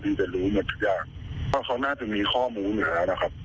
ที่จะรู้หมดทุกอย่างเขาน่าจะมีข้อมูลเหมือนกันนะครับ